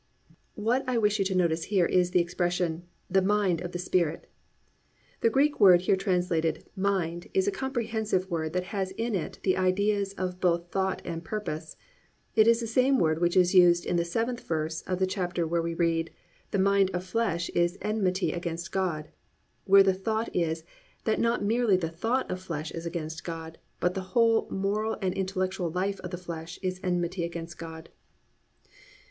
"+ What I wish you to notice here is expression, "the mind of the Spirit." The Greek word here translated "mind" is a comprehensive word that has in it the ideas of both thought and purpose. It is the same word which is used in the 7th verse of the chapter where we read, +"The mind of the flesh is enmity against God,"+ where the thought is that not merely the thought of the flesh is against God, but the whole moral and intellectual life of the flesh is enmity against God.